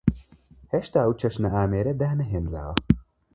هێشتا ئەو چەشنە ئامێرە دانەهێنراوە.